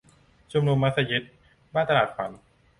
ชุมชนมัสยิดบ้านตลาดขวัญ